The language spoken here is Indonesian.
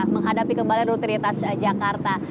menghadapi kembali rutinitas jakarta